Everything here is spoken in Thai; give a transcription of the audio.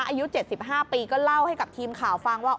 อายุ๗๕ปีก็เล่าให้กับทีมข่าวฟังว่า